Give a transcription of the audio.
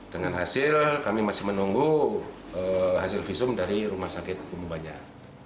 dengan hasil kami masih menunggu hasil visum dari rumah sakit umum banjar